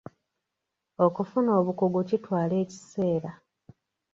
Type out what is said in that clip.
Okufuna obukugu kitwala ekiseera.